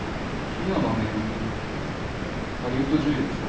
緋山恵ってハリウッド女優でしょ？